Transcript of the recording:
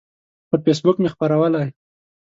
پر فیسبوک مې خپرولی